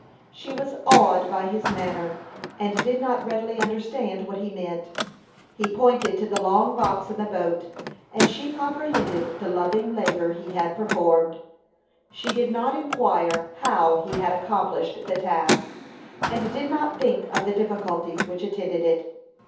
She was awed by his manner, and did not readily understand what he meant. He pointed to the long box in the boat, and she comprehended the loving labor he had performed. She did not inquire how he had accomplished the task, and did not think of the difficulties which attended it.